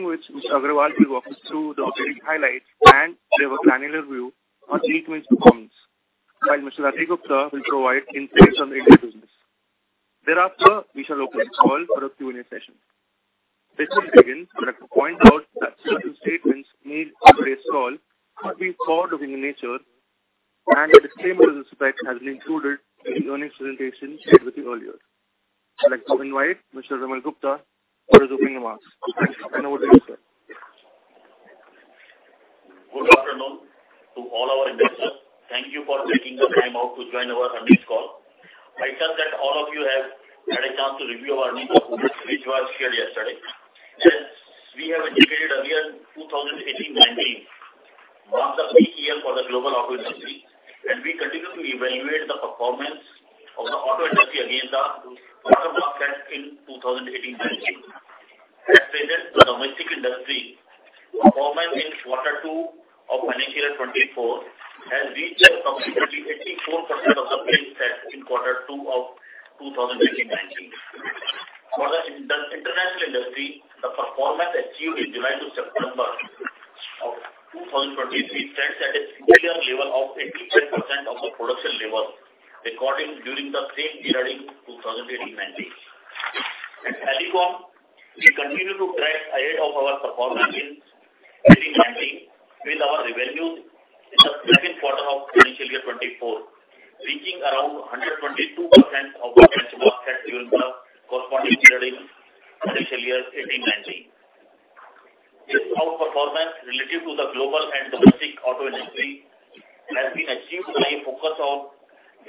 Mr. Shyam Agarwal will walk us through the operating highlights and give a granular view on G20's performance, while Mr. Rajiv Gupta will provide insights on the India business. Thereafter, we shall open the call for a Q&A session. Before we begin, I'd like to point out that certain statements made on today's call could be forward-looking in nature, and a disclaimer to this effect has been included in the earnings presentation shared with you earlier. I'd like to invite Mr. Vimal Gupta for opening remarks. And over to you, sir. Good afternoon to all our investors. Thank you for taking the time out to join our earnings call. I trust that all of you have had a chance to review our earnings, which was shared yesterday. As we have indicated earlier, 2018-19 was a peak year for the global auto industry, and we continue to evaluate the performance of the auto industry against the performance set in 2018-19. As stated, the domestic industry performance in quarter two of financial year 2024 has reached a complete 84% of the base set in quarter two of 2018-19. For the international industry, the performance achieved in July to September of 2023 stands at a similar level of 87% of the production level recorded during the same period in 2018-19. At Alicon, we continue to track ahead of our performance in 2018-2019, with our revenues in the second quarter of financial year 2024, reaching around 122% of the benchmark set during the corresponding period in financial year 2018-2019. This outperformance relative to the global and domestic auto industry has been achieved by a focus on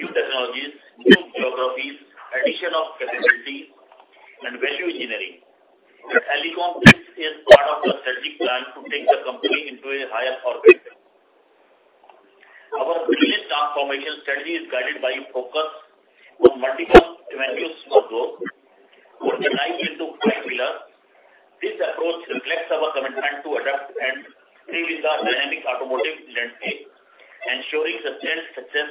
new technologies, new geographies, addition of capacity, and value engineering. At Alicon, this is part of the strategic plan to take the company into a higher orbit. Our business transformation strategy is guided by focus on multiple avenues for growth, organized into five pillars. This approach reflects our commitment to adapt and thrive in the dynamic automotive landscape, ensuring sustained success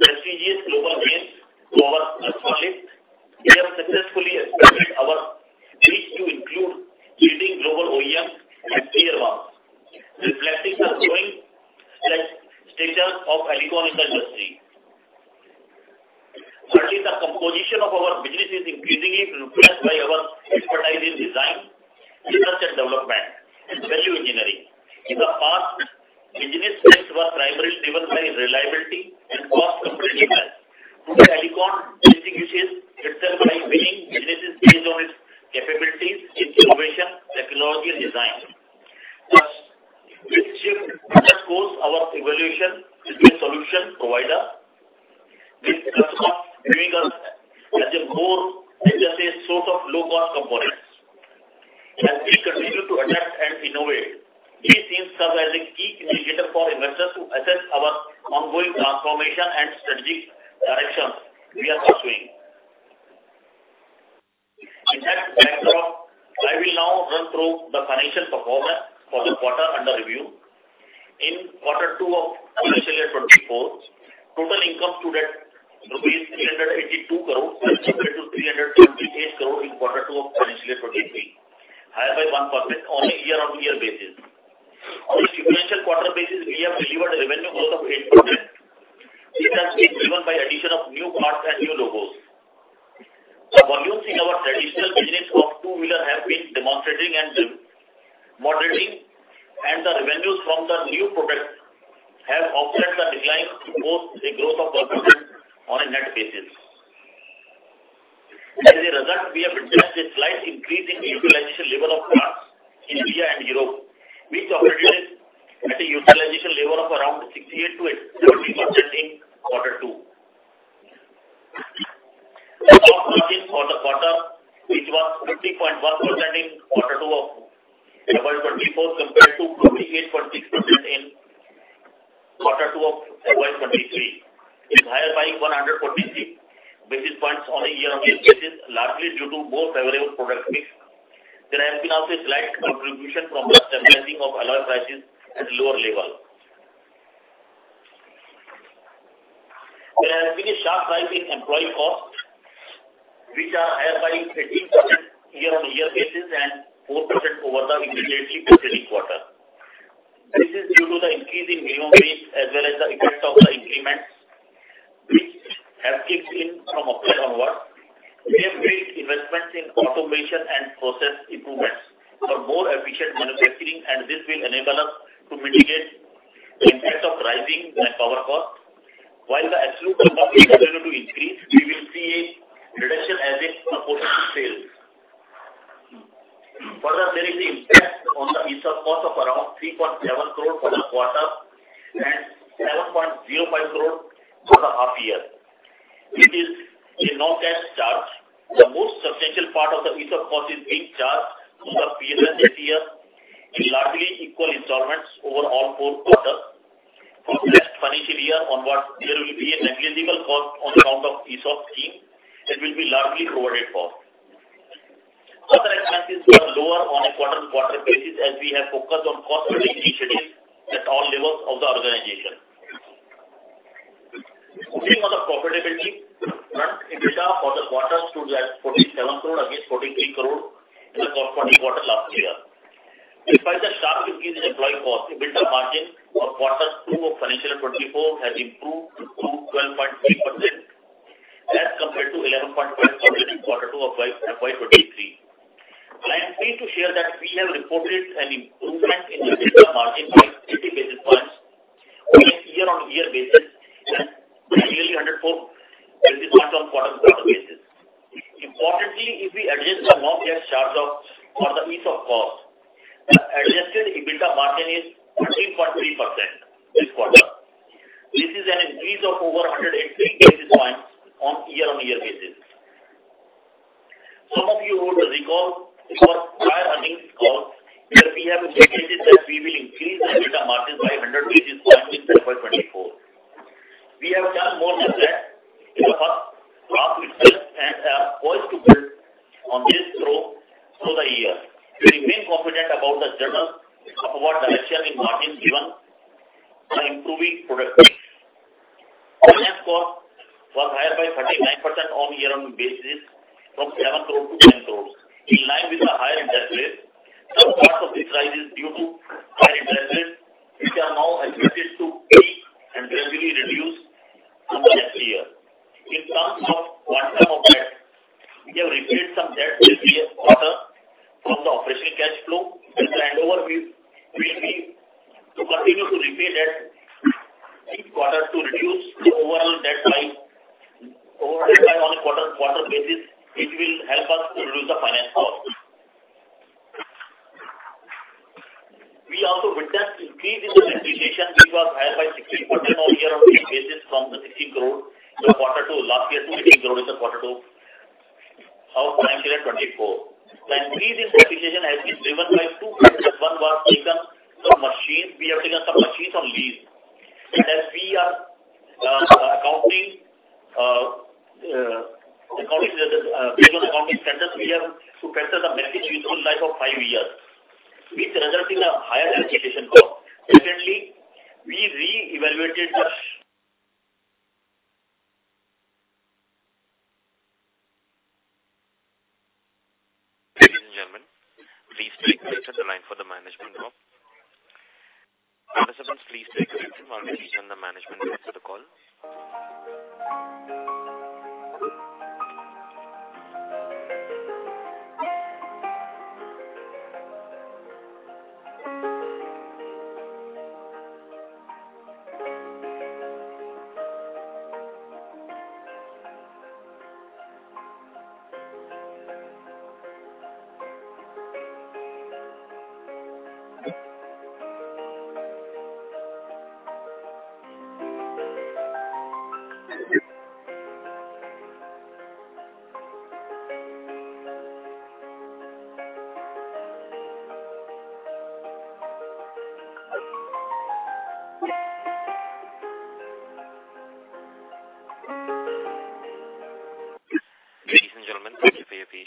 prestigious global names to our portfolio. We have successfully expanded our reach to include leading global OEMs and tier ones, reflecting the growing status of Alicon in the industry. Thirdly, the composition of our business is increasingly influenced by our expertise in design, research and development, and value engineering. In the past, business trends were primarily driven by reliability and cost competitiveness. Alicon distinguishes itself by winning businesses based on its capabilities in innovation, technology, and design. Thus, this shift underscores our evolution into a solution provider. This comes off making us as a more, let us say, source of low-cost components. As we continue to adapt and innovate, these themes serve as a key indicator for investors to assess our ongoing transformation and strategic directions we are pursuing. In that backdrop, I will now run through the financial performance for the quarter under review. In quarter two of financial year 2024, total income stood at INR 382 crores, as compared to 328 crores in quarter two of financial year 2023, higher by 1% on a year-on-year basis. On a sequential quarter basis, we have delivered a revenue growth of 8%. This has been driven by addition of new parts and new logos. The volumes in our traditional business of two-wheeler have been demonstrating and moderating, and the revenues from the new products have offset the decline to post a growth of 1% on a net basis. We have observed a slight increase in the utilization level of plants in India and Europe. We operated at a utilization level of around 68.3% in quarter two. Our margin for the quarter, which was 50.1% in quarter two of FY 2024 compared to 48.6% in quarter two of FY 2023, is higher by 143 basis points on a year-on-year basis, largely due to more favorable product mix. There has been also a slight contribution from the stabilizing of alloy prices at lower level. There has been a sharp rise in employee costs, which are higher by 13% year-on-year basis and 4% over the immediately preceding quarter. This is due to the increase in minimum wage, as well as the effect of the increments, which have kicked in from October onward. We have made investments in automation and process improvements for more efficient manufacturing, and this will enable us to mitigate the impact of rising power costs. While the absolute cost are going to increase, we will see a reduction as a portion of sales. Further, there is the impact on the ESOP cost of around 3.7 crore for the quarter and 7.05 crore for the half year. It is a non-cash charge. The most substantial part of the ESOP cost is being charged over the next eight years in largely equal installments over all four quarters. From next financial year onwards, there will be a negligible cost on account of ESOP scheme that will be largely forwarded for. Other expenses were lower on a quarter-on-quarter basis, as we have focused on cost-reduction initiatives at all levels of the organization. Moving on to profitability front, EBITDA for the quarter stood at 47 crore against 43 crore in the corresponding quarter last year. Despite the sharp increase in employee cost, EBITDA margin for quarter two of financial 2024 has improved to 12.3% as compared to 11.5% in quarter two of FY 2023. I am pleased to share that we have reported an improvement in the EBITDA margin by 50 basis points on a year-on-year basis and nearly 104 basis points on quarter-on-quarter basis. Importantly, if we adjust the non-cash charge of, for the ESOP cost, the adjusted EBITDA margin is 14.3% this quarter. This is an increase of over 103 basis points on year-on-year basis. Some of you would recall in our prior earnings calls, where we have indicated that we will increase the EBITDA margin by 100 basis points in FY 2024. We have done more than that in the first half itself and are poised to build on this growth through the year. We remain confident about the journey toward direction in margin given the improving product mix. Finance cost was higher by 39% on year-on-year basis, from 7 crore to 10 crore, in line with the higher interest rates. Some part of this rise is due to high interest rates, which are now expected to peak and gradually reduce through the next year. In terms of quantum of debt, we have repaid some debt this year quarter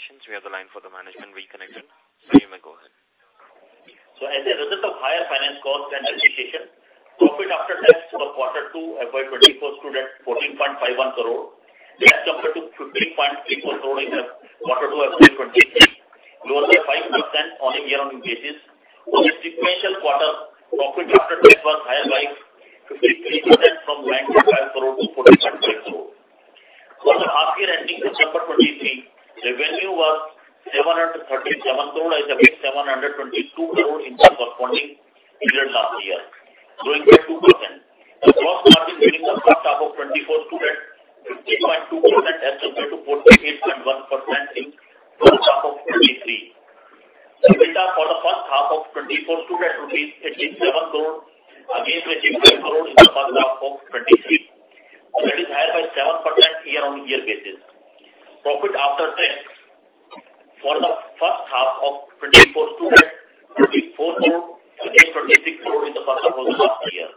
driven by two factors. We have taken some machines on lease. As we are accounting based on accounting standards, we have to factor the machine useful life of five years, which results in a higher depreciation cost. Secondly, we re-evaluated the- Ladies and gentlemen, please stay connected on the line for the management now. Participants, please stay connected on the line while the management answers the call. Ladies and gentlemen, thank you for your patience. We have the line for the management reconnected, so you may go ahead. As a result of higher finance costs and depreciation, profit after tax for quarter two FY 2024 stood at INR 14.51 crore, as compared to INR 15.31 crore in the quarter two FY 2023, lower by 5% on a year-on-year basis. For the sequential quarter, profit after tax was higher by 53% from 9.5 crore to 14.5 crore. For the half year ending December 2023, revenue was 737 crore as against 722 crore in the corresponding period last year, growing by 2%.... the first half of 2024 stood at 50.2% as compared to 48.1% in first half of 2023. EBITDA for the first half of 2024 stood at rupees 87 crore, against 85 crore in the first half of 2023. That is higher by 7% year-on-year basis. Profit after tax for the first half of 2024 stood at INR 4 crore against 36 crore in the first quarter of last year.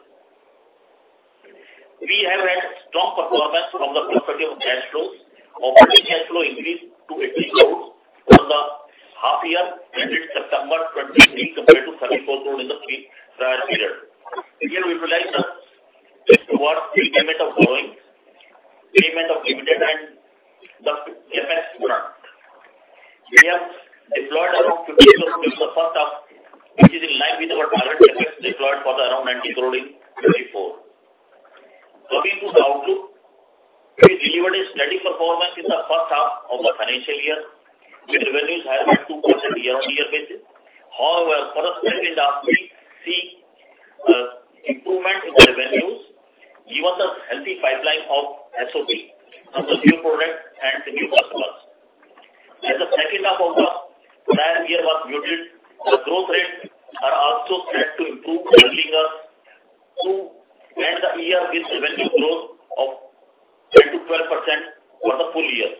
We have had strong performance from the perspective of cash flows. Operating cash flow increased to 80 crore for the half year ended September 2023, compared to 34 crore in the same period. Again, we realized towards the payment of borrowings, payment of dividend, and the MS product. We have deployed around INR 50 crore in the first half, which is in line with our target CapEx deployed for around INR 90 crore in 2024. Looking to the outlook, we delivered a steady performance in the first half of the financial year, with revenues higher by 2% year-on-year basis. However, for the second half, we see improvement in the revenues, given the healthy pipeline of SOP of the new product and the new customers. As the second half of the prior year was muted, the growth rates are also set to improve early year, to end the year with revenue growth of 10%-12% for the full year.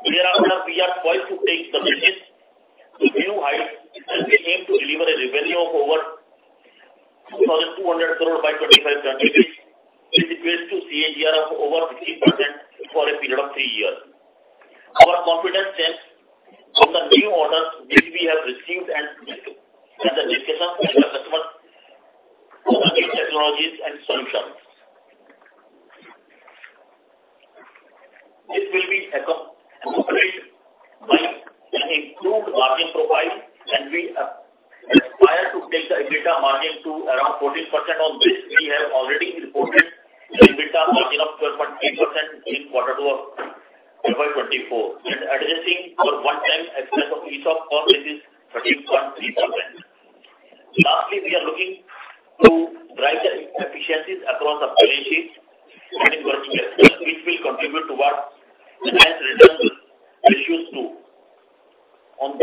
We are poised to take the business to new heights, and we aim to deliver a revenue of over 2,200 crore by 2025-2026, which equates to CAGR of over 15% for a period of three years. Our confidence stems from the new orders which we have received and the discussions with the customers on new technologies and solutions. This will be accompanied by an improved margin profile, and we are aspire to take the EBITDA margin to around 14%, on which we have already reported the EBITDA margin of 12.8% in quarter two of FY 2024, and adjusting for one-time expense of ESOP cost, which is 13.3%. Lastly, we are looking to drive the efficiencies across the balance sheet and working capital, which will contribute towards enhanced results ratios too. On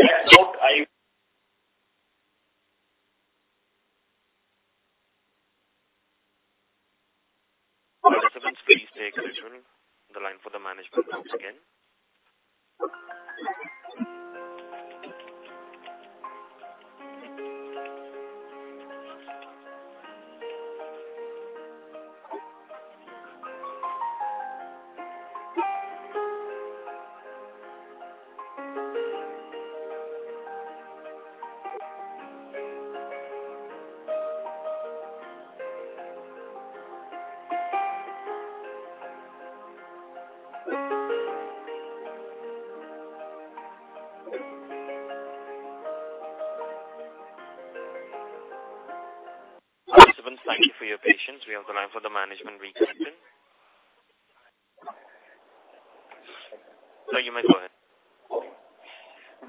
that note, I- Participants, please stay connected. The line for the management comes again. Participants, thank you for your patience. We have the line for the management reconnected. Sir, you may go ahead. Okay.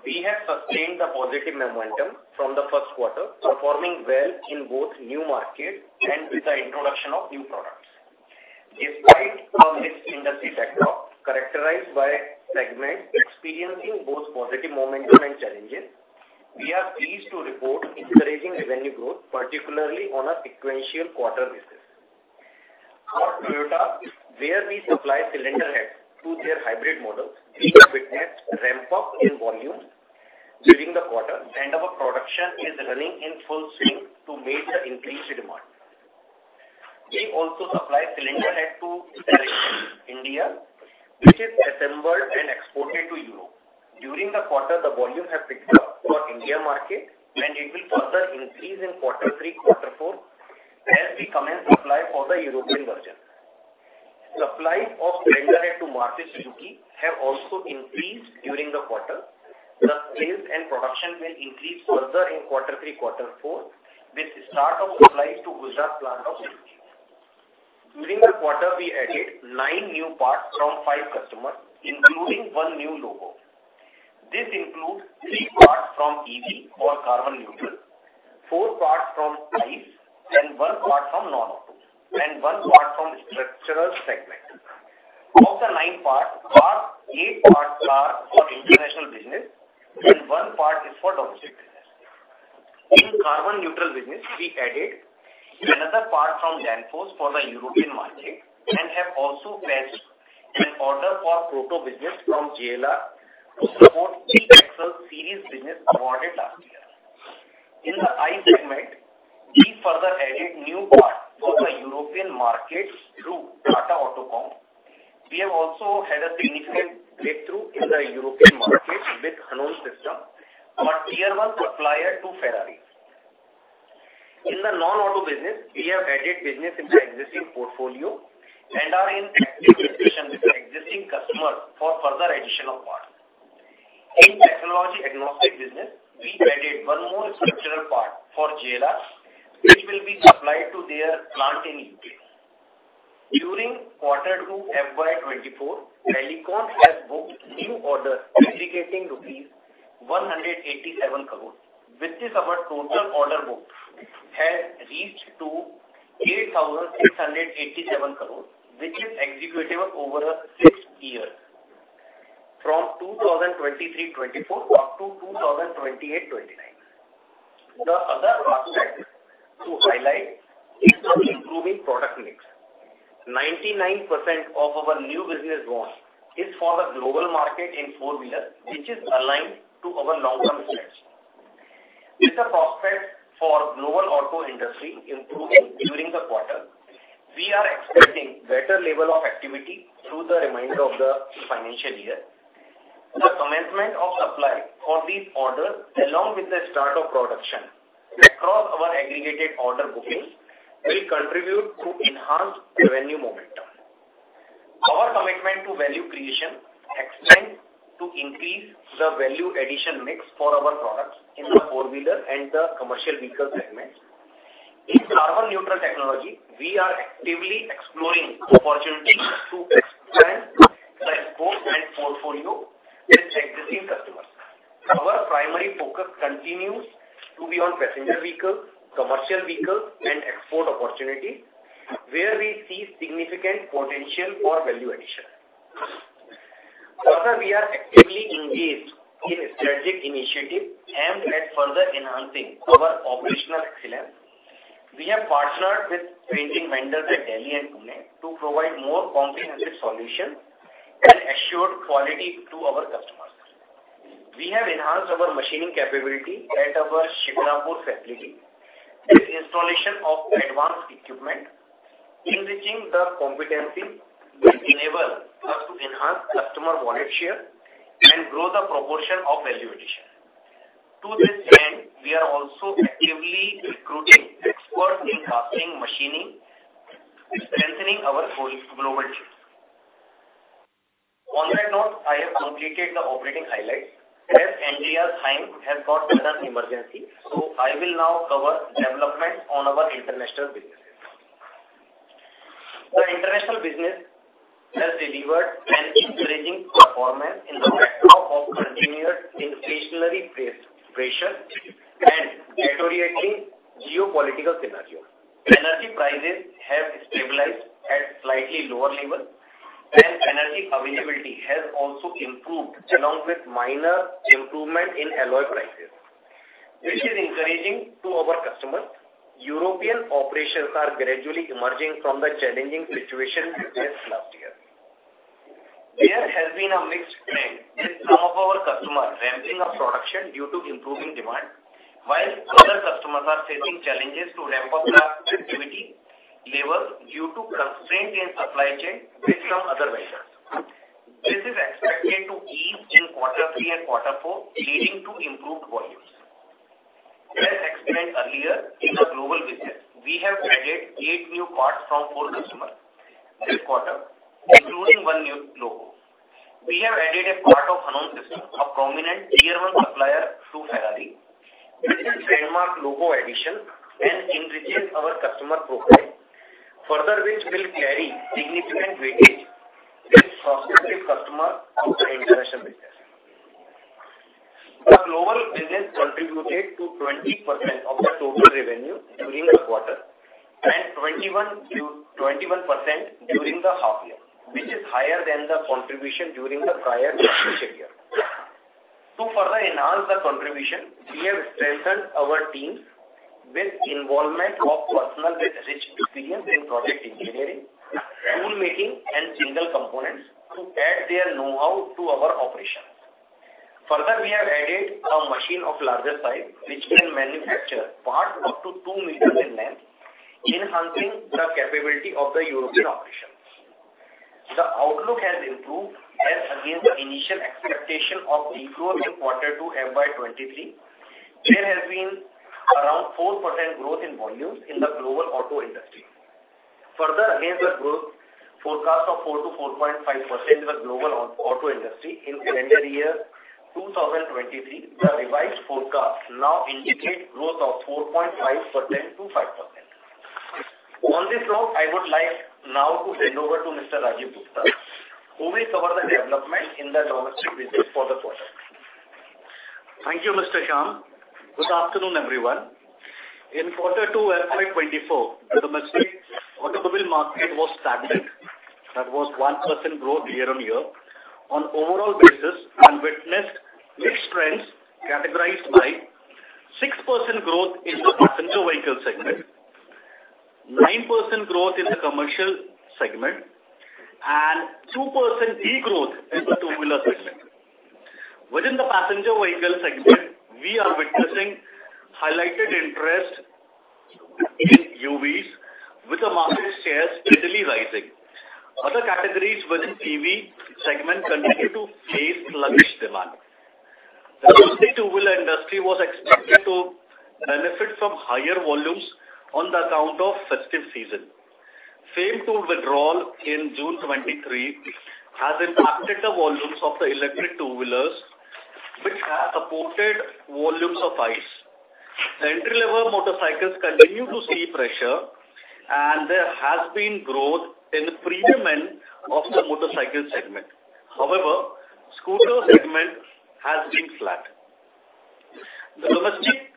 We have sustained the positive momentum from the first quarter, performing well in both new markets and with the introduction of new products. Despite a mixed industry backdrop, characterized by segments experiencing both positive momentum and challenges, we are pleased to report encouraging revenue growth, particularly on a sequential quarter basis. For Toyota, where we supply cylinder heads to their hybrid models, we have witnessed ramp-up in volume during the quarter, and our production is running in full swing to meet the increased demand. We also supply cylinder head to India, which is assembled and exported to Europe. During the quarter, the volume has picked up for India market, and it will further increase in quarter three, quarter four, as we commence supply for the European version. Supplies of cylinder head to Maruti Suzuki have also increased during the quarter. The sales and production will increase further in quarter three, quarter four, with start of supplies to Gujarat plant of Suzuki. During the quarter, we added nine new parts from five customers, including one new logo. This includes three parts from EV or carbon neutral, four parts from ICE, and one part from non-auto, and one part from structural segment. Of the nine parts, eight parts are for international business and one part is for domestic business. In carbon neutral business, we added another part from Danfoss for the European market, and have also placed an order for proto business from JLR to support the Excel series business awarded last year. In the ICE segment, we further added new parts for the European markets through Tata Autocomp. We have also had a significant breakthrough in the European market with Hanon Systems, a tier one supplier to Ferrari. In the non-auto business, we have added business in the existing portfolio and are in active discussion with the existing customer for further addition of parts. In technology agnostic business, we've added one more structural part for JLR, which will be supplied to their plant in U.K. During quarter two, FY 2024, Alicon has booked new orders aggregating rupees 187 crores, which is our total order book, has reached to 8,687 crores, which is executable over a six-year period, from 2023-24 up to 2028-29. The other aspect to highlight is the improving product mix. 99% of our new business won is for the global market in four-wheeler, which is aligned to our long-term strategy. With the prospects for global auto industry improving during the quarter, we are expecting better level of activity through the remainder of the financial year. The commencement of supply for these orders, along with the start of production across our aggregated order bookings, will contribute to enhanced revenue momentum. Our commitment to value creation extends to increase the value addition mix for our products in the four-wheeler and the commercial vehicle segments. In carbon neutral technology, we are actively exploring opportunities to expand the export and portfolio with existing customers. Our primary focus continues to be on passenger vehicles, commercial vehicles, and export opportunities, where we see significant potential for value addition. Further, we are actively engaged in strategic initiatives aimed at further enhancing our operational excellence. We have partnered with painting vendors at Delhi and Pune to provide more comprehensive solution and assured quality to our customers. We have enhanced our machining capability at our Shikrapur facility, with installation of advanced equipment, enriching the competency will enable us to enhance customer wallet share and grow the proportion of value addition. To this end, we are also actively recruiting experts in casting, machining, strengthening our whole global team. On that note, I have completed the operating highlights, as Andreas Heim has got personal emergency, so I will now cover development on our international businesses. The international business has delivered an encouraging performance in the backdrop of continued inflationary pressure and deteriorating geopolitical scenario. Energy prices have stabilized at slightly lower level, and energy availability has also improved, along with minor improvement in alloy prices, which is encouraging to our customers. European operations are gradually emerging from the challenging situation faced last year. There has been a mixed trend, with some of our customers ramping up production due to improving demand, while other customers are facing challenges to ramp up their activity levels due to constraint in supply chain with some other vendors. This is expected to ease in quarter three and quarter four, leading to improved volumes. As explained earlier, in the global business, we have added eight new parts from four customers this quarter, including one new logo. We have added a part of Hanon Systems, a prominent tier one supplier to Ferrari, which is trademark logo addition and enriches our customer profile. Further, which will carry significant weightage with prospective customers of the international business. The global business contributed to 20% of the total revenue during the quarter, and 21%-21% during the half year, which is higher than the contribution during the prior financial year. To further enhance the contribution, we have strengthened our teams with involvement of personnel with rich experience in product engineering, tool making, and single components to add their know-how to our operations. Further, we have added a machine of larger size, which can manufacture parts up to 2 m in length, enhancing the capability of the European operations. The outlook has improved, as against the initial expectation of decline in quarter 2, FY 2023. There has been around 4% growth in volumes in the global auto industry. Further, against the growth forecast of 4%-4.5% in the global auto industry in calendar year 2023, the revised forecast now indicates growth of 4.5%-5%. On this note, I would like now to hand over to Mr. Rajiv Gupta, who will cover the development in the domestic business for the quarter. Thank you, Mr. Shyam. Good afternoon, everyone. In quarter two, FY 2024, the domestic automobile market was stagnant. That was 1% growth year-on-year. On overall basis, we witnessed mixed trends categorized by 6% growth in the passenger vehicle segment, 9% growth in the commercial segment, and 2% degrowth in the two-wheeler segment. Within the passenger vehicle segment, we are witnessing heightened interest in UVs, with the market shares steadily rising. Other categories within PV segment continue to face sluggish demand. The two-wheeler industry was expected to benefit from higher volumes on account of festive season. FAME-II withdrawal in June 2023 has impacted the volumes of the electric two-wheelers, which have supported volumes of ICE. The entry-level motorcycles continue to see pressure, and there has been growth in the premium demand of the motorcycle segment. However, scooter segment has been flat. The domestic,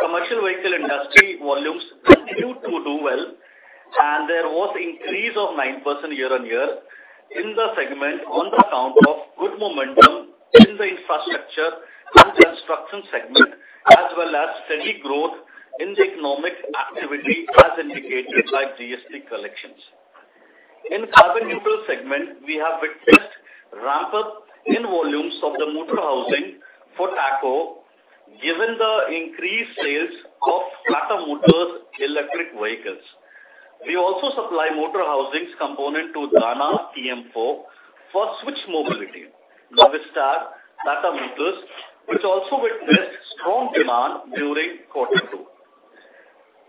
commercial vehicle industry volumes continue to do well, and there was an increase of 9% year-on-year in the segment on account of good momentum in the infrastructure and construction segment, as well as steady growth in the economic activity, as indicated by GST collections. In carbon neutral segment, we have witnessed ramp-up in volumes of the motor housing for TACO, given the increased sales of Tata Motors electric vehicles. We also supply motor housings component to Dana TM4 for Switch Mobility. Now, with Tata Motors, which also witnessed strong demand during quarter two.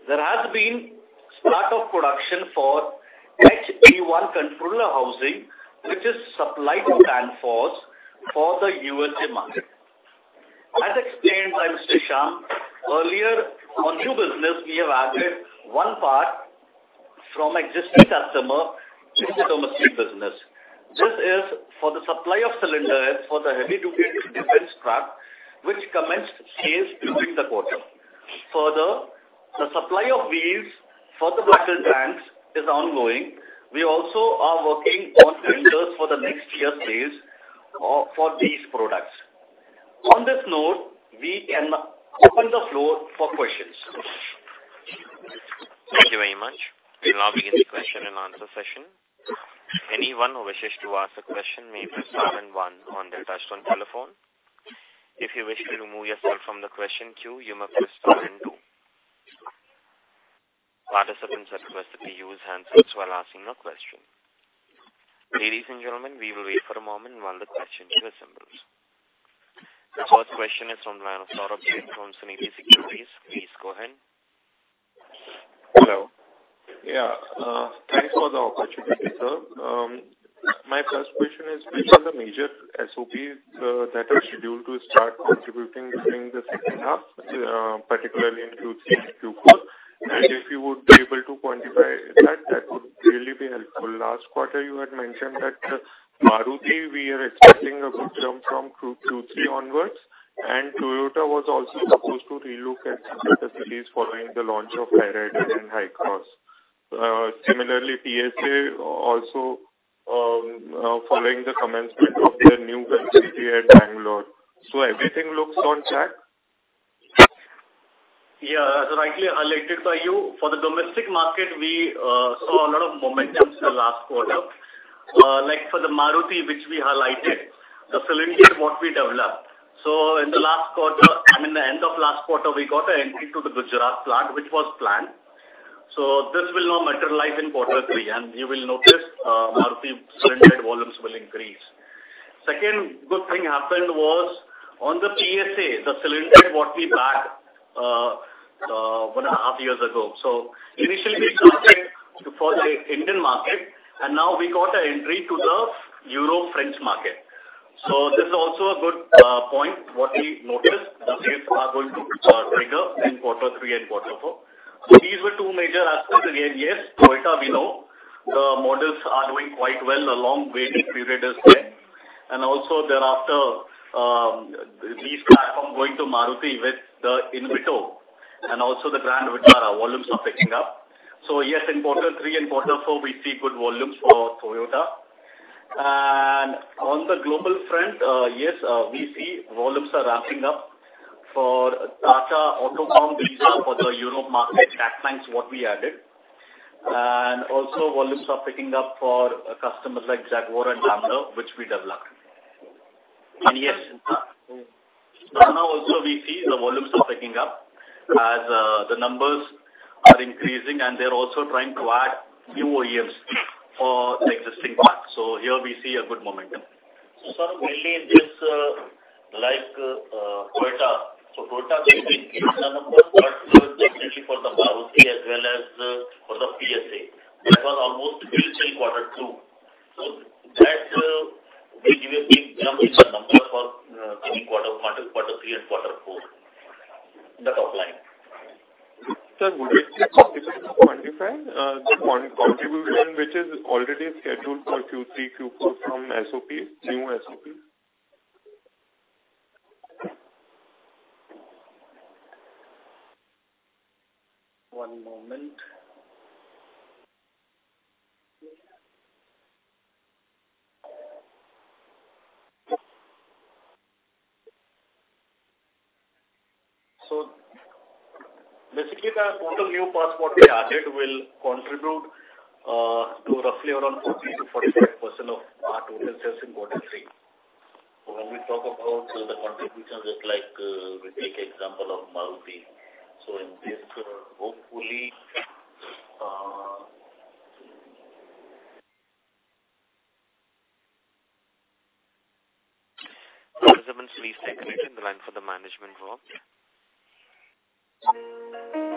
There has been start of production for HB1 controller housing, which is supplied to Danfoss for the EU market. As explained by Mr. Shyam, earlier, on new business, we have added one part from existing customer in the domestic business. This is for the supply of cylinder heads for the heavy-duty defense truck, which commenced sales during the quarter. Further, the supply of wheels for the BharatBenz is ongoing. We also are working on tenders for the next year's sales, for these products. On this note, we can open the floor for questions. Thank you very much. We'll now begin the question and answer session. Anyone who wishes to ask a question may press star and one on their touchtone telephone. If you wish to remove yourself from the question queue, you may press star and two. Participants are requested to use handsets while asking a question. Ladies and gentlemen, we will wait for a moment while the question queue assembles. The first question is from the line of Saurabh from Sunidhi Securities. Please go ahead. Hello. Yeah, thanks for the opportunity, sir. My first question is, which are the major SOPs that are scheduled to start contributing during the second half, particularly in Q3 and Q4? And if you would be able to quantify that, that would really be helpful. Last quarter, you had mentioned that Maruti, we are expecting a good jump from Q3 onwards, and Toyota was also supposed to relook at some of the releases following the launch of Hyryder and Hycross. Similarly, PSA also, following the commencement of the new plant city at Bangalore. So everything looks on track? Yeah, rightly highlighted by you. For the domestic market, we saw a lot of momentum in the last quarter. Like for the Maruti, which we highlighted, the cylinder what we developed. So in the last quarter, I mean, the end of last quarter, we got an entry to the Gujarat plant, which was planned. So this will now materialize in quarter three, and you will notice, Maruti cylinder volumes will increase. Second good thing happened was on the PSA, the cylinder got we back, 1.5 years ago. So initially, we started for the Indian market, and now we got an entry to the European French market. So this is also a good point. What we noticed, the sales are going to be bigger in quarter three and quarter four. So these were two major aspects, and yes, Toyota, we know, the models are doing quite well. The long waiting period is there. And also thereafter, these platform going to Maruti with the Invicto and also the Grand Vitara, volumes are picking up. So yes, in quarter three and quarter four, we see good volumes for Toyota. And on the global front, yes, we see volumes are ramping up for Tata Autocomp, these are for the Europe market, that's what we added. And also, volumes are picking up for customers like Jaguar Land Rover, which we developed. And yes, now also we see the volumes are picking up as, the numbers are increasing, and they're also trying to add new OEMs for the existing pack. So here we see a good momentum. So sir, mainly in this, like, Toyota. So Toyota, they increased the numbers, but definitely for the Maruti as well as, for the PSA, that was almost till quarter two. So that, will give a big jump in the number for, any quarter, quarter three and quarter four, the top line. Sir, would you be able to quantify the contribution which is already scheduled for Q3, Q4 from SOP, new SOP? One moment. So basically, the total new passport we added will contribute to roughly around 40%-45% of our total sales in quarter three. When we talk about the contributions, it's like, we take example of Maruti. So in this, hopefully, Please connect in the line for the management now. Thank you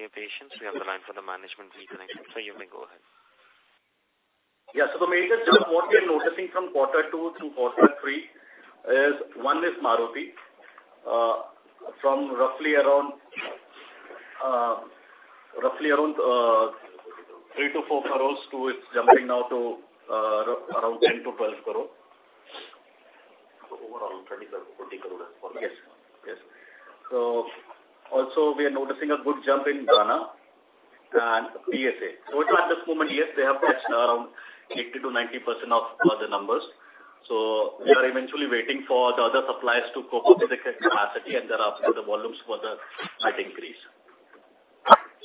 for your patience. We have the line for the management reconnected, so you may go ahead. Yeah, so the major jump what we are noticing from quarter two through quarter three is, one is Maruti, from roughly around 3 to 4 crores to it's jumping now to, around 10 to 12 crore. Overall, INR 20 crore, INR 40 crore as well? Yes. Yes. So also we are noticing a good jump in Gujarat and PSA. So at this moment, yes, they have reached around 80%-90% of the numbers. So we are eventually waiting for the other suppliers to go up to the capacity, and thereafter, the volumes for the might increase.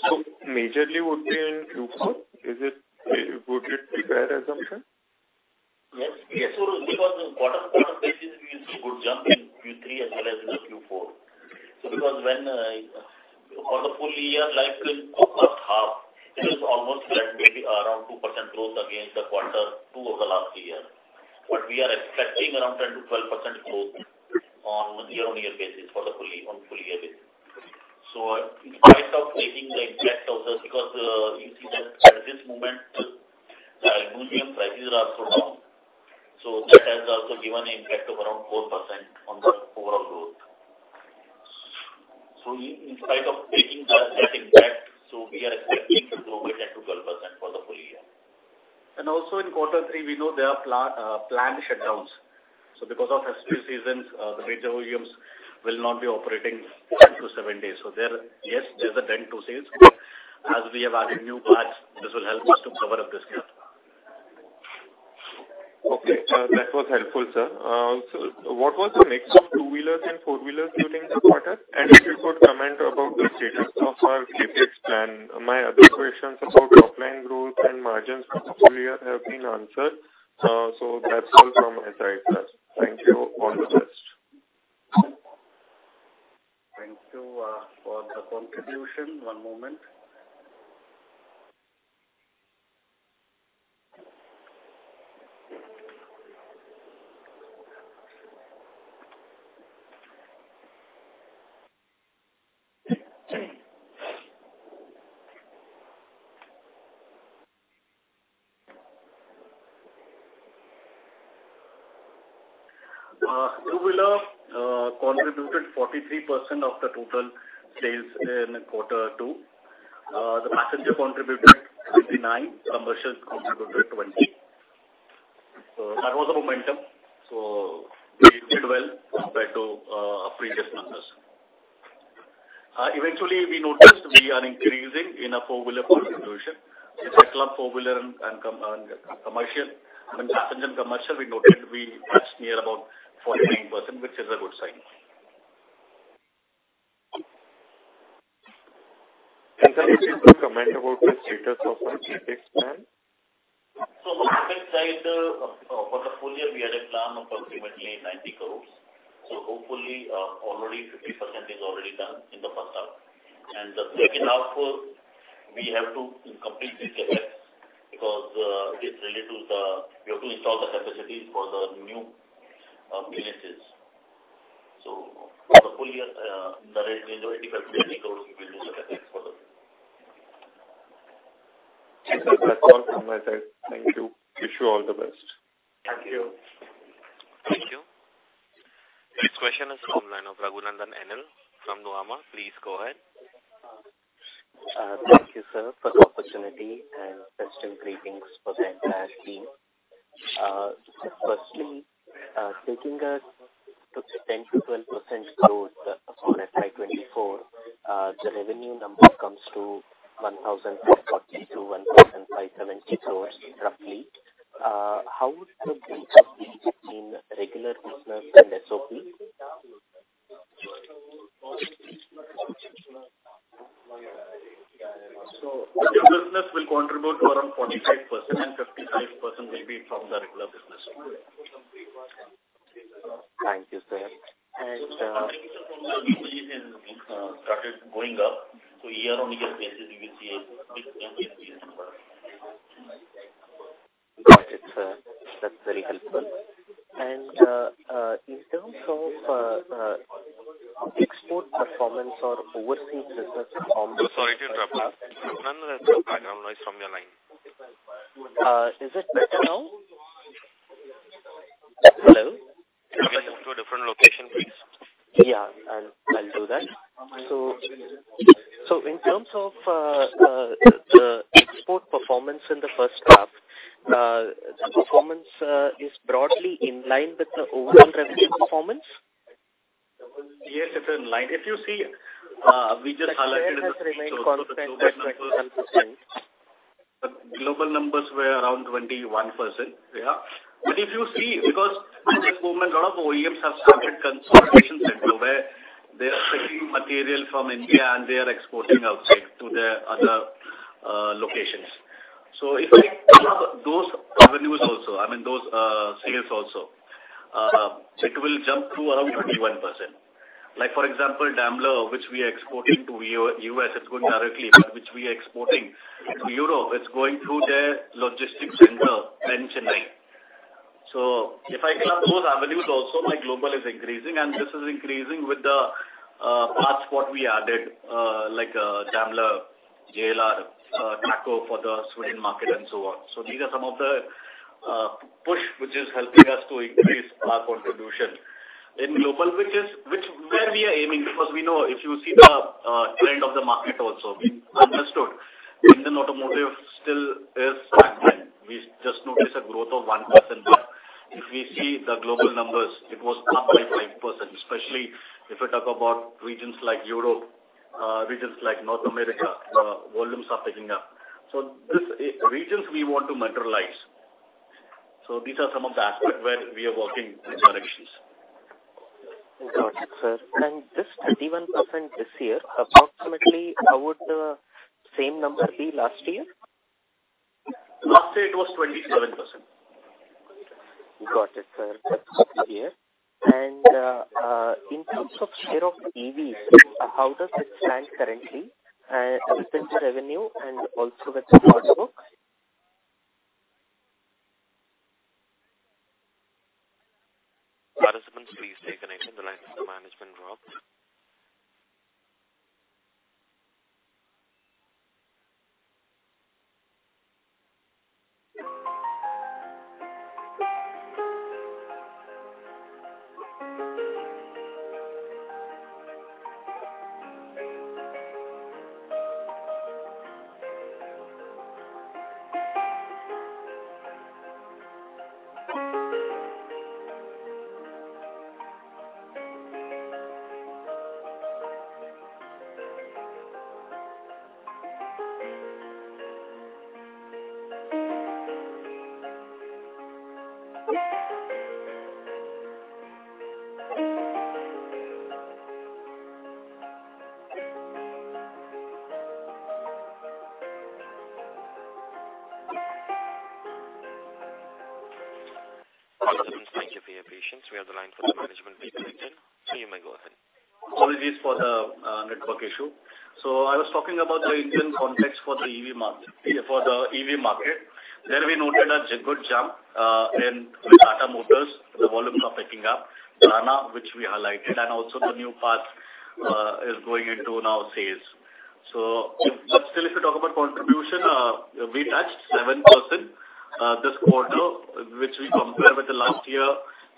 So, majorly would be in Q4, is it? Would it be fair assumption? Yes, yes. So because the bottom line basis, we see a good jump in Q3 as well as in Q4. So because when, for the full year, like in first half, it was almost around 2% growth against the quarter two of the last year. But we are expecting around 10%-12% growth on year-on-year basis for the fully, on full year basis. So in spite of taking the impact of this, because, you see that at this moment, the aluminum prices are also down. So that has also given an impact of around 4% on the overall growth. So in spite of taking that impact, so we are expecting to grow it 10%-12% for the full year. Also in quarter three, we know there are planned shutdowns. Because of festival seasons, the major volumes will not be operating 10 to 7 days. There, yes, there's a dent to sales, but as we have added new parts, this will help us to cover up this gap. Okay, that was helpful, sir. So what was the mix of two-wheelers and four-wheelers during the quarter? And if you could comment about the status of our CapEx plan. My other questions about top-line growth and margins for this year have been answered. So that's all from my side, sir. Thank you. All the best. Thank you for the contribution. One moment. Two-wheeler contributed 43% of the total sales in quarter two. The passenger contributed 59%, commercial contributed 20%. That was the momentum. We did well compared to our previous numbers. Eventually, we noticed we are increasing in a four-wheeler contribution. It's a club four-wheeler and commercial. And passenger commercial, we noted we touched near about 49%, which is a good sign. Sir, would you comment about the status of the CapEx plan? So CapEx side, for the full year, we had a plan of approximately 90 crore. So hopefully, already 50% is already done in the first half. And the second half, we have to complete this CapEx because it's related to the... We have to install the capacities for the new businesses. So for the full year, in the range of 80%, we will do the CapEx for them. That's all from my side. Thank you. Wish you all the best. Thank you. Thank you. This question is from the line of Raghunandan NL from Nuvama. Please go ahead. Thank you, sir, for the opportunity and best and greetings for the entire team. Firstly, taking a 10%-12% growth for FY 2024, the revenue number comes to 1,042-1,057 crores, roughly. How would the breach of each in regular business and SOP? The business will contribute to around 45%, and 55% will be from the regular business. Thank you, sir. And Started going up. So year-on-year basis, you will see a Got it, sir. That's very helpful. And, in terms of, export performance or overseas business from- Sorry to interrupt you. Raghunandan, there's some background noise from your line. Is it better now? Hello. Can you connect to a different location, please? Yeah, I'll do that. So in terms of the export performance in the first half, the performance is broadly in line with the overall revenue performance?... Yes, it's in line. If you see, we just highlighted in the global numbers, the global numbers were around 21%. Yeah. But if you see, because at this moment, a lot of OEMs have started consolidation center, where they are taking material from India, and they are exporting outside to their other locations. So if I have those avenues also, I mean, those sales also, it will jump through around 21%. Like, for example, Daimler, which we are exporting to U.S., it's going directly, but which we are exporting to Europe, it's going through their logistics center in Chennai. So if I count those avenues also, my global is increasing, and this is increasing with the parts what we added, like, Daimler, JLR, TACO for the Sweden market, and so on. So these are some of the push, which is helping us to increase our contribution in global, which is where we are aiming, because we know if you see the trend of the market also, we understood Indian automotive still is stagnant. We just notice a growth of 1%. But if we see the global numbers, it was up by 5%, especially if I talk about regions like Europe, regions like North America, volumes are picking up. So these regions we want to materialize. So these are some of the aspects where we are working in directions. Got it, sir. This 21% this year, approximately, how would the same number be last year? Last year, it was 27%. Got it, sir. Thank you. And, in terms of share of EVs, how does it stand currently, in terms of revenue and also the sales book? Participants, please take a note on the line with the management role. Thank you for your patience. We have the line for the management reconnected, so you may go ahead. Apologies for the network issue. So I was talking about the Indian context for the EV market, for the EV market. There we noted a good jump in Tata Motors. The volumes are picking up, Dana, which we highlighted, and also the new path is going into now sales. So but still, if you talk about contribution, we touched 7%, this quarter, which we compare with the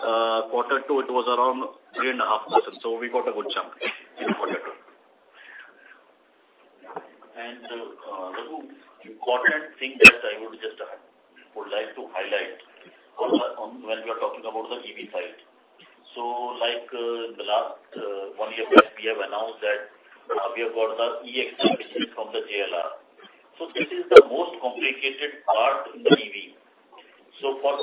last year, quarter two, it was around 3.5%. So we got a good jump in quarter two. And, the important thing that I would just like to highlight on when we are talking about the EV side. So like, the last one year, we have announced that we have got the eAxle from the JLR. So this is the most complicated part in the EV. So for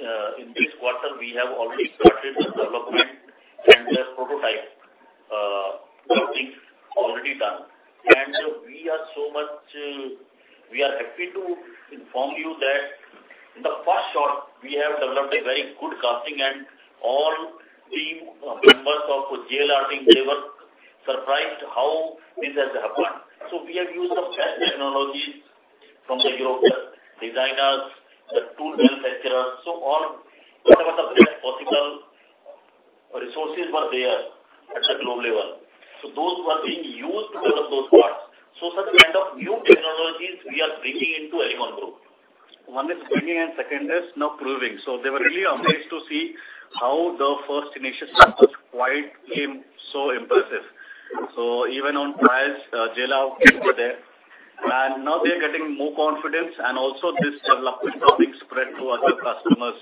that, in this quarter, we have already started the development, and the prototype building already done. And so we are happy to inform you that in the first shot, we have developed a very good casting, and all team members of JLR team, they were surprised how this has happened. So we have used the best technologies from the European designers, the tool build, et cetera. So all, whatever the best possible resources were there at the global level. So those were being used to develop those parts. So such kind of new technologies we are bringing into Alicon Group. One is bringing, and second is now proving. So they were really amazed to see how the first initial start was quite came so impressive. So even on trials, JLR were there, and now they are getting more confidence, and also this development topic spread to other customers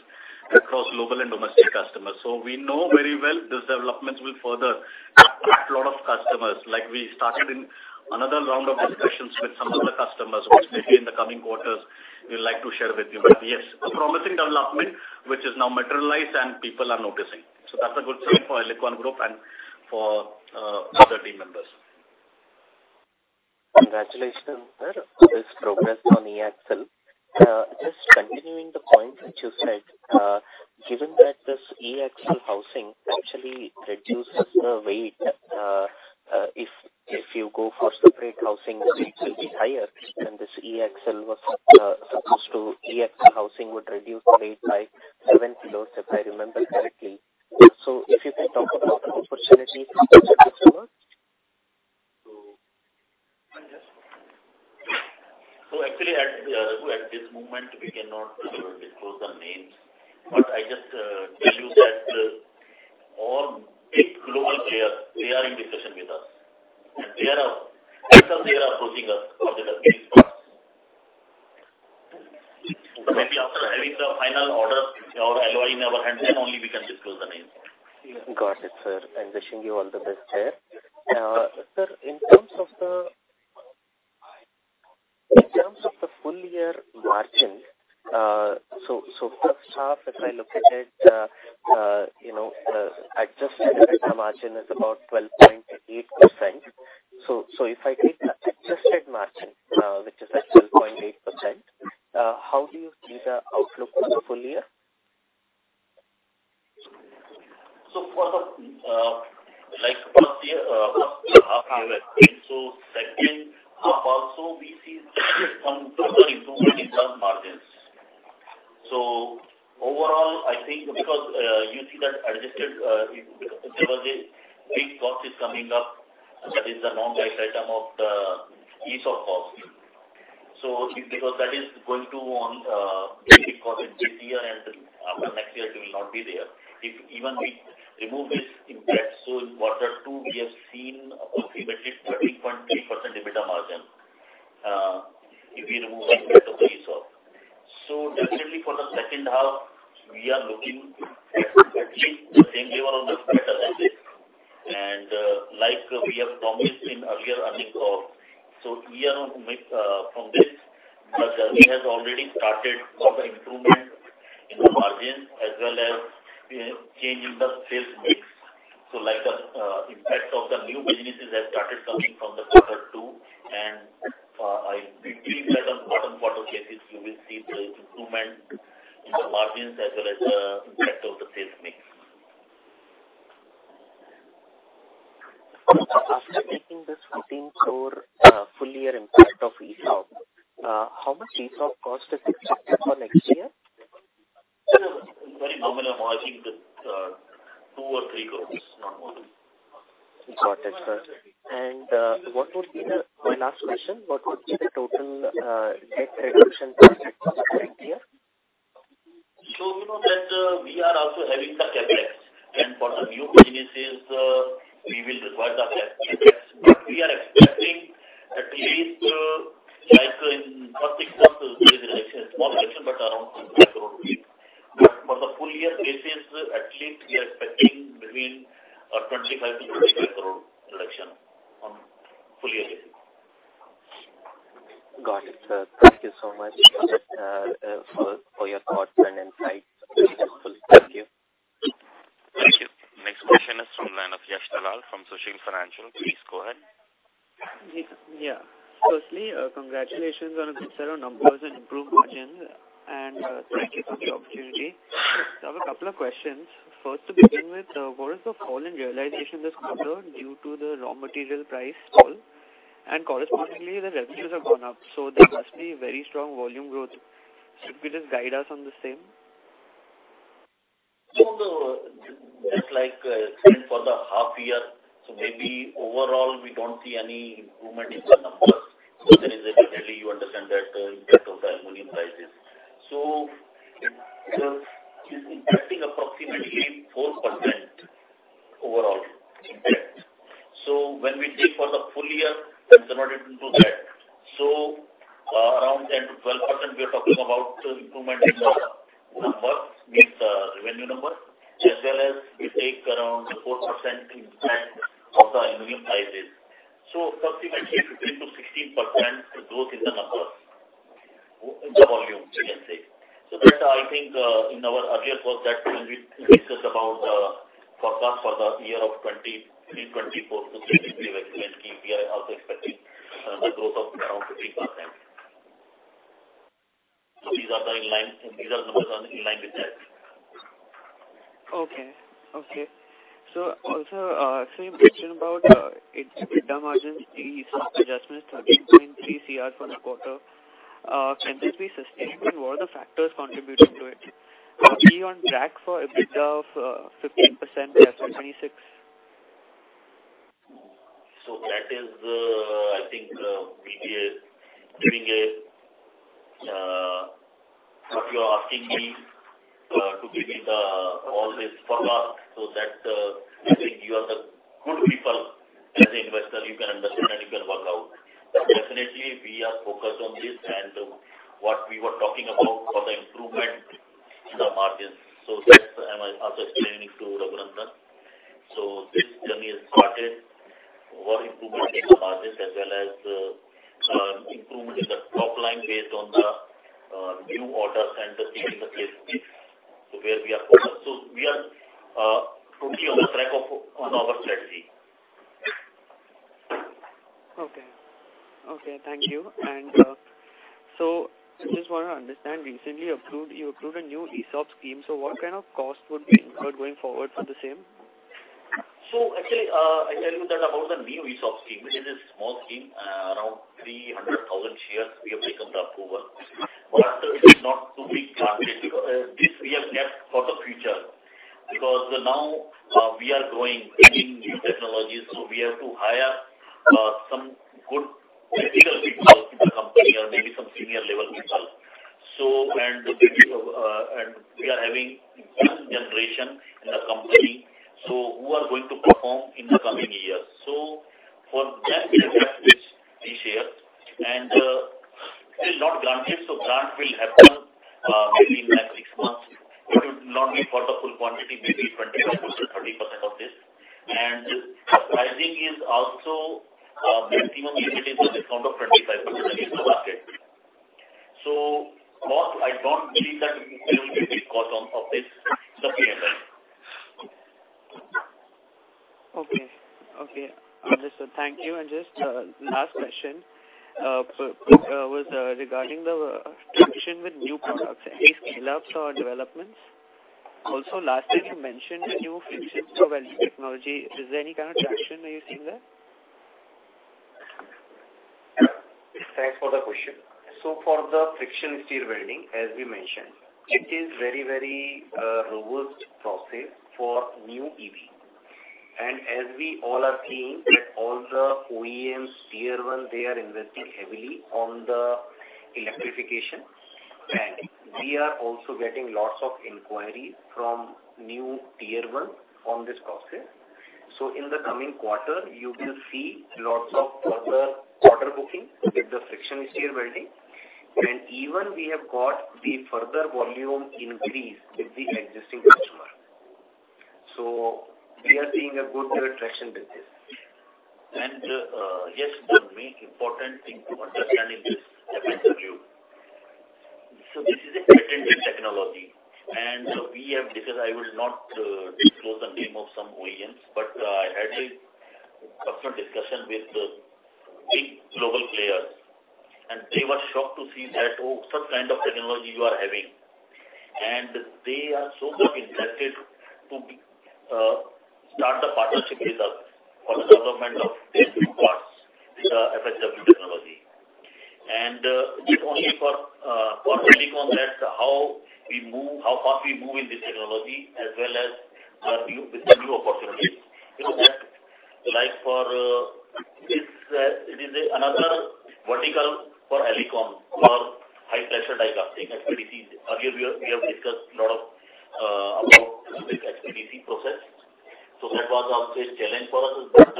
across global and domestic customers. So we know very well this developments will further attract a lot of customers. Like, we started in another round of discussions with some other customers, which may be in the coming quarters, we'd like to share with you. But yes, a promising development, which is now materialized and people are noticing. So that's a good sign for Alicon Group and for, other team members. Congratulations, sir, this progress on the eAxle. Just continuing the point which you said, given that this eAxle housing actually reduces the weight, if, if you go for separate housing, the weight will be higher, and this eAxle was supposed to, eAxle housing would reduce weight by 7 kilos, if I remember correctly. So if you can talk about the opportunity for this server? Actually, at this moment, we cannot disclose the names, but I just tell you that all big global players, they are in discussion with us, and some of them are approaching us with the business part. Maybe after having the final order or alloy in our hands, then only we can disclose the name. Got it, sir. I'm wishing you all the best here. Sir, in terms of the full year margin, so first half, if I look at it, you know, adjusted EBITDA margin is about 12.8%. So, if I take that adjusted margin, which is at 12.8%, how do you see the outlook for the full year? So for the, like first year, first half year so second half also, we see some improvement in term margins. So overall, I think because, you see that adjusted, there was a big cost is coming up, that is the non-cash item of the ESOP cost. So because that is going to on this year and after next year, it will not be there. If even we remove this impact, so in quarter two, we have seen approximately 13.3% EBITDA margin, if we remove the impact of the ESOP. So definitely for the second half, we are looking at the same level or better than this. And, like we have promised in earlier earnings call, so we are on with, from this. But journey has already started for the improvement in the margin as well as, you know, changing the sales mix. So like the impact of the new businesses has started coming from the quarter two, and I believe that on bottom quarter cases, you will see the improvement in the margins as well as impact of the sales mix. After making this INR 15 crore full year impact of ESOP, how much ESOP cost is expected for next year? Very nominal margin, 2 crore or 3 crore, no more. Got it, sir. My last question: what would be the total debt reduction for next year? So you know that, we are also having some CapEx, and for the new businesses, we will require the CapEx. But we are expecting at least, like in first six months, there is a small reduction, but around INR 20 crore. But for the full year basis, at least we are expecting between 25 crore-30 crore reduction on full year basis. Got it, sir. Thank you so much for your thoughts and insights. Thank you. Thank you. Next question is from line of Yash Dalal, from Sushil Financial. Please go ahead. Yeah. Firstly, congratulations on a good set of numbers and improved margins, and, thank you for the opportunity. I have a couple of questions. First, to begin with, what is the fall in realization this quarter due to the raw material price fall? And correspondingly, the revenues have gone up, so there must be very strong volume growth. Could you just guide us on the same? So, just like for the half year, so maybe overall, we don't see any improvement in the numbers. So there is definitely, you understand that the impact of the aluminum prices. So it's impacting approximately 4% overall impact. So when we take for the full year, converted into that, so around 10%-12%, we are talking about improvement in the numbers, means the revenue number, as well as we take around 4% impact of the aluminum prices. So approximately 15%-16% growth in the numbers, in the volume, we can say. So that I think, in our earlier call that when we discuss about the forecast for the year of 2023-2024, we have explained we are also expecting, the growth of around 15%. So these are in line, these numbers are in line with that. Okay. Okay. So also, actually you mentioned about EBITDA margins, the ESOP adjustment, 13.3 crore for the quarter. Can this be sustained, and what are the factors contributing to it? Are we on track for EBITDA of 15% by 2026? So that is, I think, we are giving it, what you are asking me, to give you the, all this forecast, so that, I think you are the good people. As an investor, you can understand and you can work out. But definitely, we are focused on this and what we were talking about for the improvement in the margins. So that's I'm also explaining to Raghunandan. So this journey has started, more improvement in the margins as well as, improvement in the top line based on the, new orders and the seeing the case mix, so where we are focused. So we are, totally on the track of, on our strategy. Okay. Okay, thank you. And so I just want to understand, recently you approved, you approved a new ESOP scheme. So what kind of cost would be involved going forward for the same? So actually, I tell you that about the new ESOP scheme, which is a small scheme, around 300,000 shares we have taken up over. But it's not too big target. This we have kept for the future, because now, we are growing in new technologies, so we have to hire, some good technical people in the company or maybe some senior level people. So and the people-... we are having one generation in the company, so who are going to perform in the coming years. So for them, we share, and still not granted, so grant will happen, maybe in like six months. It would not be for the full quantity, maybe 25%, 30% of this. And pricing is also, maximum usually in the discount of 25% in the market. So what I don't believe that there will be a cost on, of this, the PMS. Okay. Okay, understood. Thank you. And just, last question, was regarding the traction with new products, any scale-ups or developments? Also, lastly, you mentioned the new friction stir welding technology. Is there any kind of traction are you seeing there? Thanks for the question. So for the Friction Stir Welding, as we mentioned, it is very, very robust process for new EV. And as we all are seeing, that all the OEMs, Tier 1, they are investing heavily on the electrification. And we are also getting lots of inquiries from new Tier 1 on this process. So in the coming quarter, you will see lots of further order booking with the Friction Stir Welding, and even we have got the further volume increase with the existing customer. So we are seeing a good traction with this. Yes, the main important thing to understanding this, I answer you. So this is a patented technology, and we have discussed, I will not disclose the name of some OEMs, but I had a personal discussion with the big global players, and they were shocked to see that, "Oh, such kind of technology you are having." And they are so much interested to start a partnership with us for the development of these two parts, with the FSW technology. And it only for Alicon that how we move, how fast we move in this technology, as well as the new opportunities. Because that, like for, it's, it is another vertical for Alicon, for high pressure die casting, HPDC. Earlier, we have discussed a lot of about this HPDC process. That was obviously a challenge for us. But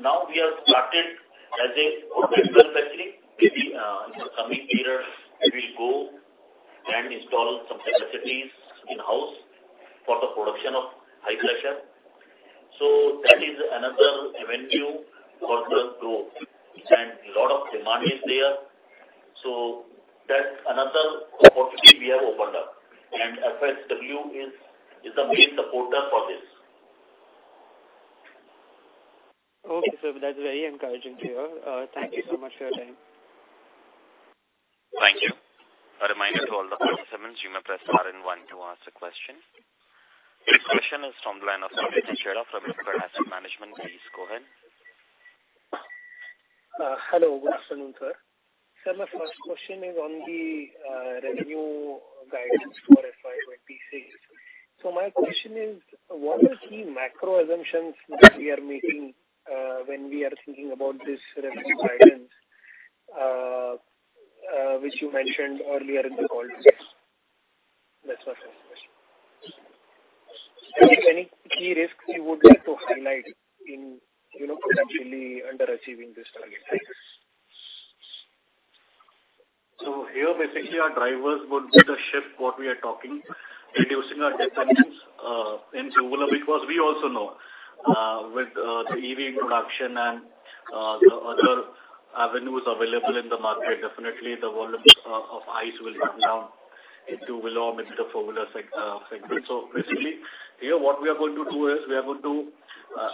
now we have started, actually, maybe in the coming years, we will go and install some facilities in-house for the production of high pressure. That is another avenue for growth, and a lot of demand is there. That's another opportunity we have opened up, and FSW is the main supporter for this. Okay, sir, that's very encouraging to hear. Thank you so much for your time. Thank you. A reminder to all the participants, you may press star and one to ask a question. This question is from the line of Vijay Chadha from Kotak Asset Management. Please go ahead. Hello, good afternoon, sir. Sir, my first question is on the revenue guidance for FY26. So my question is, what are the key macro assumptions that we are making when we are thinking about this revenue guidance, which you mentioned earlier in the call? That's my first question. And any key risks you would like to highlight in, you know, potentially under achieving this target? Thanks. So here, basically, our drivers would be the shift, what we are talking, reducing our dependence in two-wheeler, because we also know, with the EV introduction and the other avenues available in the market, definitely the volume of ICE will come down into below mid the four-wheeler sec segment. So basically, here, what we are going to do is, we are going to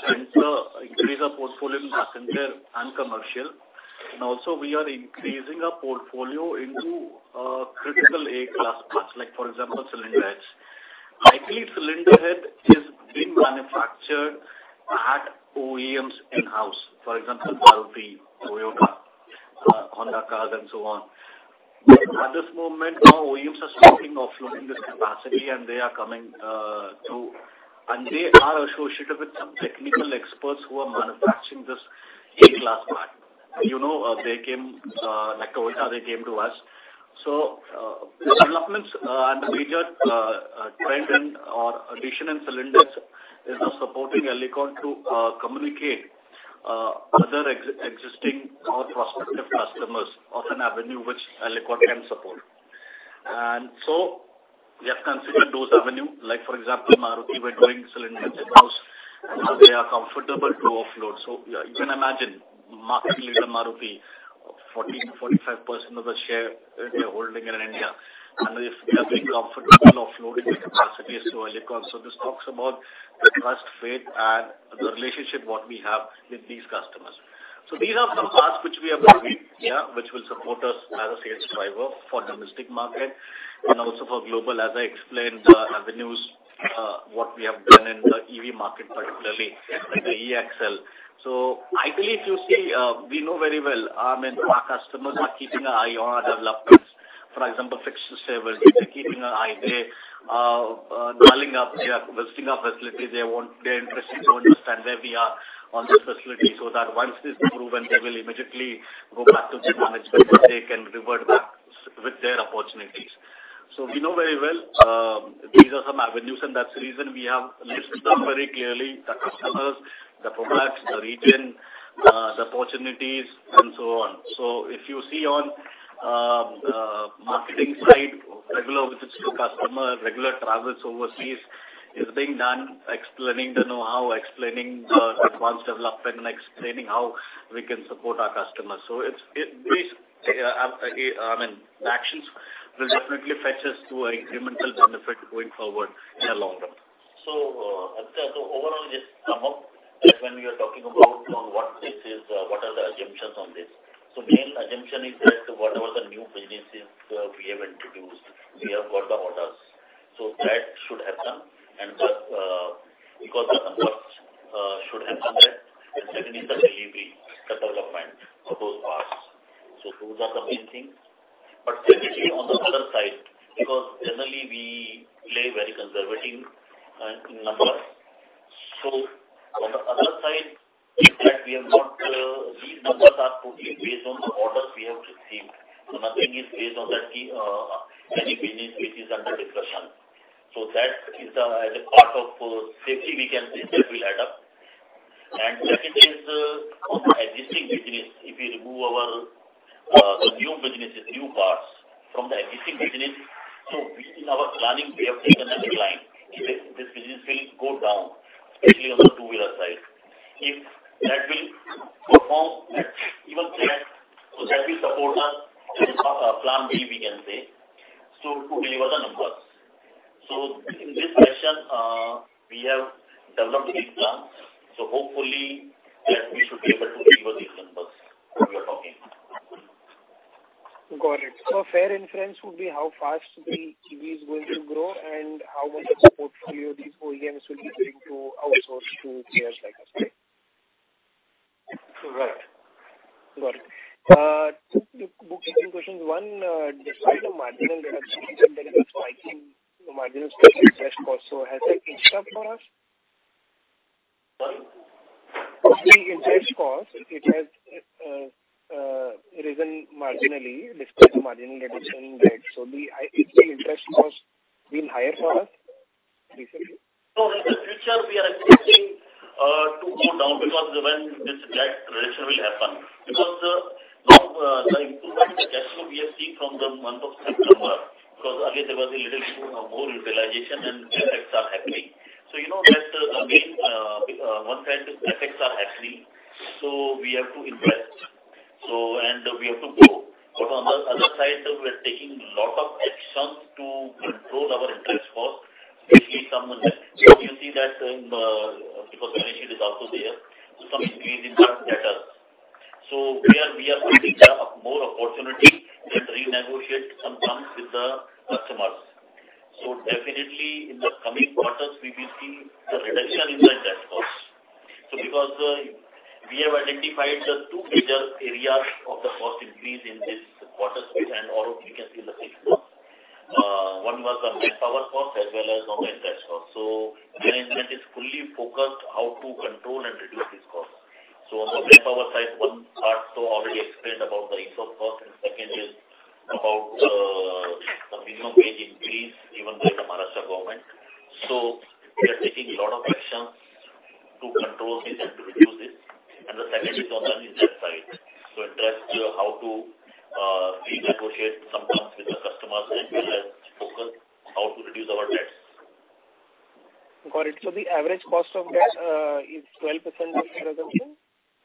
enter, increase our portfolio in passenger and commercial, and also we are increasing our portfolio into critical A-class parts, like, for example, cylinder heads. I believe cylinder head is being manufactured at OEMs in-house, for example, Maruti, Toyota, Honda Cars, and so on. At this moment, now OEMs are speaking of loading this capacity, and they are coming to... And they are associated with some technical experts who are manufacturing this A-class part. And you know, they came, like Toyota, they came to us. So, developments, and the major trend in or addition in cylinders is now supporting Alicon to communicate other existing or prospective customers of an avenue which Alicon can support. And so we have considered those avenue, like, for example, Maruti were doing cylinder heads in-house, and they are comfortable to offload. So you can imagine, market leader Maruti, 40%-45% of the share they are holding in India, and they are very comfortable offloading the capacity to Alicon. So this talks about the trust, faith, and the relationship what we have with these customers. So these are some parts which we are doing, yeah, which will support us as a sales driver for domestic market and also for global, as I explained, the avenues, what we have done in the EV market, particularly, like the eAxle. So I believe, you see, we know very well, I mean, our customers are keeping an eye on our developments. For example, Friction Stir Welding, they're keeping an eye. They calling up, they are visiting our facilities. They want- they are interested to understand where we are on this facility, so that once this is proven, they will immediately go back to their management, where they can revert back with their opportunities. So we know very well, these are some avenues, and that's the reason we have listed down very clearly the customers, the products, the region, the opportunities, and so on. So if you see on marketing side, regular visits to customer, regular travels overseas is being done, explaining the know-how, explaining the advanced development, and explaining how we can support our customers. So it's, it, this, I mean, the actions will definitely fetch us to a incremental benefit going forward in the long term. So, so overall, just to sum up, when we are talking about on what this is, what are the assumptions on this? So main assumption is that whatever the new businesses, we have introduced, we have got the orders. So that should happen. And, because the numbers, should have come there, and secondly, the LEV, the development of those parts. So those are the main things. But technically, on the other side, because generally we play very conservative in numbers. So on the other side, that we have not, these numbers are totally based on the orders we have received. So nothing is based on that, any business which is under discussion. So that is the, as a part of safety, we can say that will add up. And second is, on the existing business, if we remove our, the new businesses, new parts from the existing business, so in our planning, we have taken another line. If this business will go down, especially on the two-wheeler side, if that will perform at even clear, so that will support us, plan B, we can say, so to deliver the numbers. So in this fashion, we have developed these plans, so hopefully, that we should be able to deliver these numbers that we are talking. Got it. Fair inference would be how fast the EV is going to grow and how much of the portfolio these OEMs will be getting to outsource to players like us, right? Correct. Got it. Two quick questions. One, despite the marginal reduction, there is a spiking marginal interest cost, so has it increased for us? What? The interest cost, it has risen marginally despite the marginal reduction in debt. So is the interest cost been higher for us recently? No, in the future, we are expecting to go down because when this debt reduction will happen. Because the improvement in the cash flow we have seen from the month of September, because earlier there was a little more utilization and effects are happening. So you know that the main one-time effects are happening, so we have to invest, so and we have to grow. But on the other side, we are taking a lot of action to control our interest cost, especially some of that. You see that because management is also there, so some increase in that data. So we are getting more opportunity to renegotiate some terms with the customers. So definitely, in the coming quarters, we will see the reduction in the debt cost. So because we have identified the two major areas of the cost increase in this quarter, and all you can see in the sixth month. One was the net power cost as well as on the interest cost. So management is fully focused how to control and reduce these costs. So on the net power side, one part, so already explained about the interest cost, and second is about the minimum wage increase given by the Maharashtra government. So we are taking a lot of actions to control this and to reduce this, and the second is on the insight side. So that's how to renegotiate some terms with the customers and well as focus how to reduce our debts. Got it. So the average cost of debt is 12%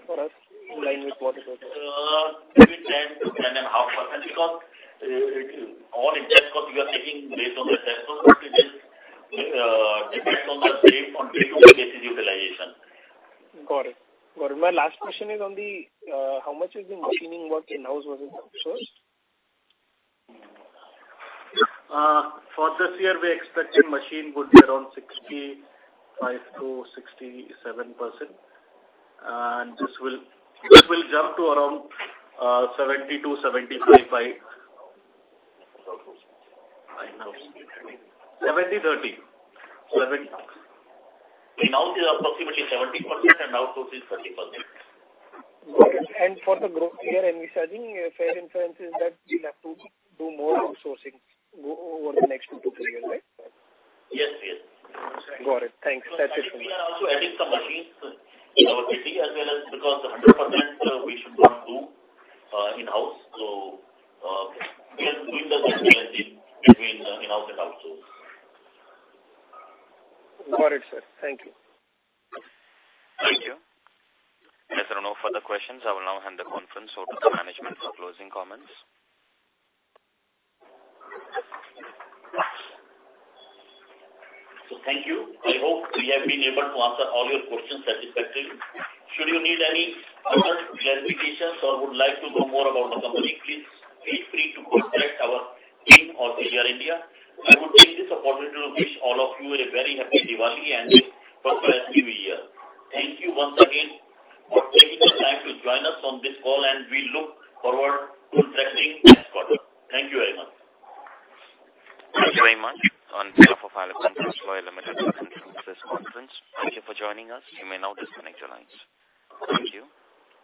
for us in line with what is it? Maybe 10-10.5%, because all interest cost we are taking based on the test. So it will depend on the rate, on daily basis utilization. Got it. Got it. My last question is on the, how much is the machining work in-house versus outsourced? For this year, we expecting machine would be around 65%-67%, and this will jump to around 70%-75% by... 70/30. 70/30. In-house is approximately 70%, and outsource is 30%. Got it. For the growth here, and we are saying, a fair inference is that we'll have to do more outsourcing over the next 2-3 years, right? Yes, yes. Got it. Thanks. We are also adding some machines in our city as well, because 100%, we should not do in-house. So, we are doing the best we can do between in-house and outsource. Got it, sir. Thank you. Thank you. As there are no further questions, I will now hand the conference over to the management for closing comments. Thank you. I hope we have been able to answer all your questions satisfactorily. Should you need any other clarifications or would like to know more about the company, please feel free to contact our team or CDR India. I want to take this opportunity to wish all of you a very happy Diwali and a prosperous new year. Thank you once again for taking the time to join us on this call, and we look forward to interacting next quarter. Thank you very much. Thank you very much. On behalf of Alicon Castalloy Limited, thank you for this conference. Thank you for joining us. You may now disconnect your lines. Thank you.